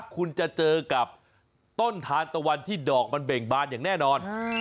คุณจะเจอกับต้นทานตะวันที่ดอกมันเบ่งบานอย่างแน่นอน